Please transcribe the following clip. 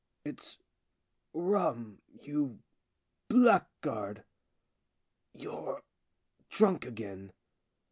It's rum, you blackguard. You're drunk again."